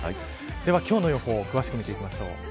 では今日の予報詳しく見ていきましょう。